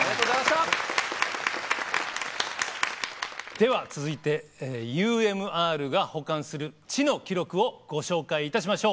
では続いてＵＭＲが保管する「知の記録」をご紹介いたしましょう。